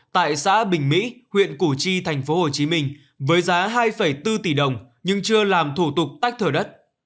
tại xã bình mỹ huyện củ chi thành phố hồ chí minh với giá hai bốn tỷ đồng nhưng chưa làm thủ tục tách thửa đất